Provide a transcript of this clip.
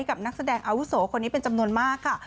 นักแสดงอาวุโสคนนี้เป็นจำนวนมากค่ะ